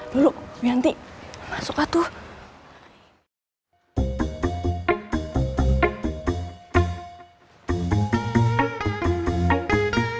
tolong biar nanti masuklah tuh